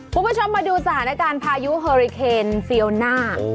คุณผู้ชมมาดูสถานการณ์พายุเฮอริเคนเฟียวน่า